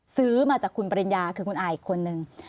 ซื้อมาจากคุณปริญญาคือคุณอาอีกคนนึง